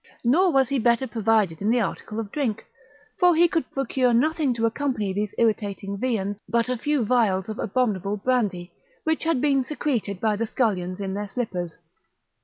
Nor was he better provided in the article of drink, for he could procure nothing to accompany these irritating viands but a few vials of abominable brandy, which had been secreted by the scullions in their slippers.